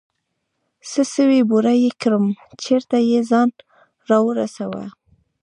څه سوې بوره يې كړم چېرته يې ځان راورسوه.